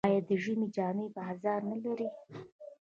آیا د ژمي جامې بازار نلري؟